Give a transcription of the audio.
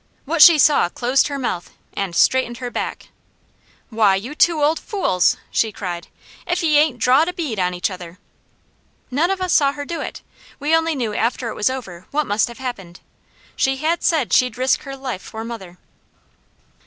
What she saw closed her mouth, and straightened her back. "WHY, YOU TWO OLD FOOLS!" she cried. "IF YE AIN'T DRAWED A BEAD ON EACH OTHER!" None of us saw her do it. We only knew after it was over what must have happened. She had said she'd risk her life for mother.